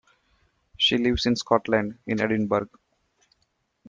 She lives in Scotland, in Edinburgh